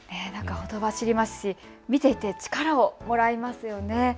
ほとばしりますし見ていて力をもらいますよね。